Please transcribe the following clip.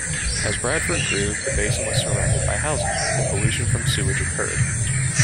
As Bradford grew, the basin was surrounded by housing, and pollution from sewage occurred.